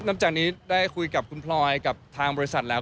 หลังจากนี้ได้คุยกับคุณพลอยกับทางบริษัทแล้ว